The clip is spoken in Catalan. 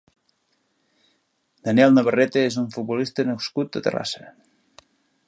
Daniel Navarrete és un futbolista nascut a Terrassa.